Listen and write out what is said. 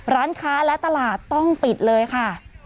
ร้านค้าและตลาดต้องปิดเลยค่ะ